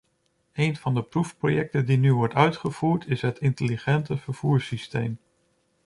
Een van de proefprojecten die nu worden uitgevoerd is het intelligente vervoerssysteem.